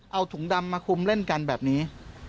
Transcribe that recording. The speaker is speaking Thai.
เอาถุงดำมาคุมเล่นกันแบบนี้